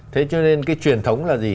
thế cho nên cái truyền thống là gì